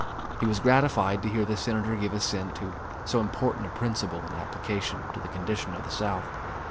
He was gratified to hear the Senator give assent to so important a principle in application to the condition of the South.